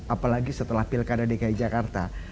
apalagi setelah pilkada dki jakarta